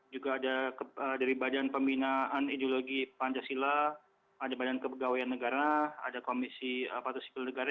juga ada dari badan pembinaan ideologi pancasila ada badan kepegawaian negara ada komisi aparatur sipil negara